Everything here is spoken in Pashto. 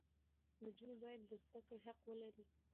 نجونې باید د زده کړې حق ولري.